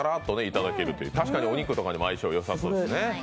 確かにお肉とかにも相性良さそうですね。